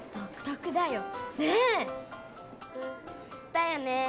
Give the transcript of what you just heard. だよね！